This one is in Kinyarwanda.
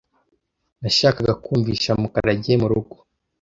Nashakaga kumvisha Mukarage murugo.